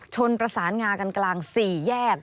ชนประสานงากันกลางสี่แยก